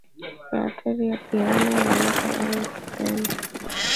ya hatari ya piranha unaweza au usipenda